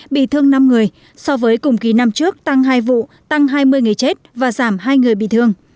bị thương năm người so với cùng kỳ năm trước tăng hai vụ tăng hai mươi người chết và giảm hai người bị thương